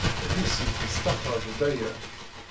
Lucy testaxer-d Baya.